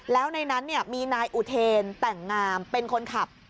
แล้วในนั้นมีนายอุเทนแต่งงามเป็นคนขับ